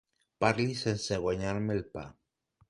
Parli sense guanyar-me el pa.